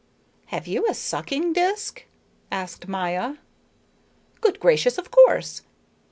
"Have you a sucking disk?" asked Maya. "Goodness gracious, of course!